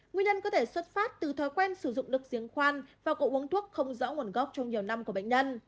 nguyên nhân có thể xuất phát từ thói quen sử dụng nước giếng khoan và có uống thuốc không dẫu nguồn gốc trong nhiều năm của bệnh nhân